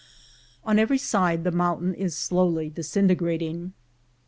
On every side the mountain is slowly disintegrating.